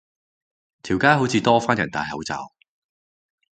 條街好似多返人戴口罩